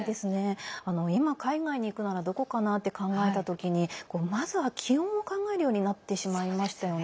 今、海外に行くならどこかなと考えた時にまずは気温を考えるようになってしまいましたよね。